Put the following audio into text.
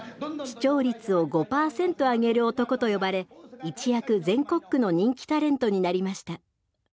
「視聴率を５％上げる男」と呼ばれ一躍全国区の人気タレントになりました。